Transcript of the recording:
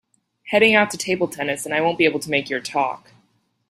Heading out to table tennis and I won’t be able to make your talk.